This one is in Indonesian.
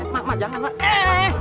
mak mak jangan eh eh eh